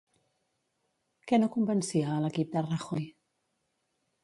Què no convencia a l'equip de Rajoy?